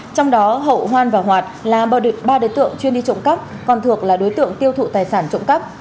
trong đó hậu hoan và hoạt là ba đối tượng chuyên đi trộm cắp còn thược là đối tượng tiêu thụ tài sản trộm cắp